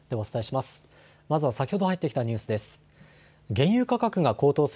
まずは先ほど入ってきたニュースです。